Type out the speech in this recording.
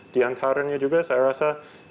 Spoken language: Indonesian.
di encurentnya juga saya rasa